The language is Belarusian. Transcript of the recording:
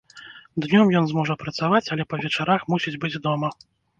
Днём ён зможа працаваць, але па вечарах мусіць быць дома.